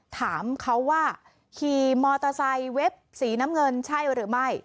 ถามเขาว่าขี่มอเตอร์ไซค์เว็บสีน้ำเงินใช่หรือไม่